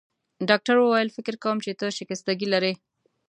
ډاکټر وویل: فکر کوم چي ته شکستګي لرې.